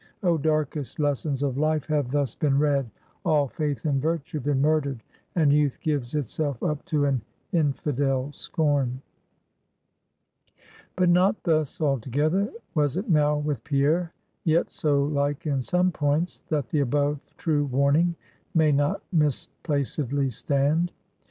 Oh, darkest lessons of Life have thus been read; all faith in Virtue been murdered, and youth gives itself up to an infidel scorn. But not thus, altogether, was it now with Pierre; yet so like, in some points, that the above true warning may not misplacedly stand.